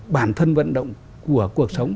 bản thân vận động của cuộc sống